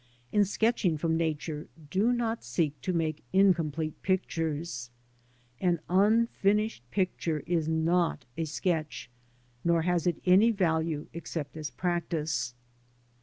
In sketching from Nature, do not seek to make incomplete pictures. An unfinished picture is not a sketch, nor has it any value except as ^practice.